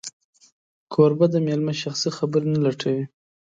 کوربه د مېلمه شخصي خبرې نه لټوي.